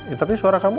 eh tapi suara kamu